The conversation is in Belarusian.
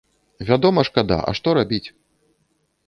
Вядома, шкада, а што рабіць?